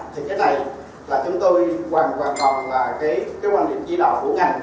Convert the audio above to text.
thì cái này là chúng tôi hoàn toàn là cái quan điểm chỉ đạo của ngành